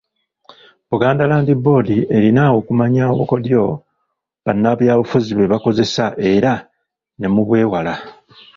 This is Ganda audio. Buganda Land Board erina okumanya obukodyo bannabyabufuzi bwe bakozesa era ne mubwewala.